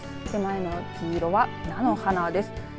手前の黄色は菜の花です。